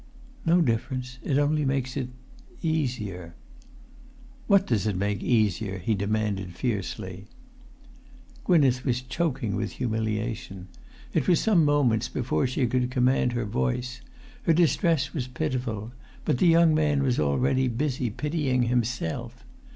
"No difference. It only makes it—easier——" "What does it make easier?" he demanded fiercely. [Pg 330]Gwynneth was choking with humiliation. It was some moments before she could command her voice. Her distress was pitiful; but the young man was already busy pitying himself.